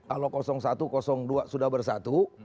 kalau satu dua sudah bersatu